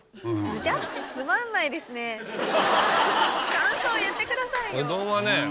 感想言ってくださいよ。